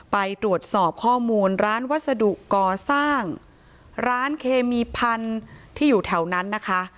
ไปตรวจสอบข้อมูลร้านวัสดุก่อสร้างร้านเคมีพันธุ์ที่อยู่แถวนั้นนะคะ